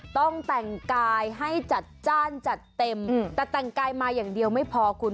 ต้องแต่งกายให้จัดจ้านจัดเต็มแต่แต่งกายมาอย่างเดียวไม่พอคุณ